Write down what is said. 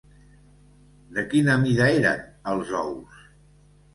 De quina mida eren els ous?